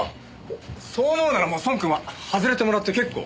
そう思うならもうソンくんは外れてもらって結構。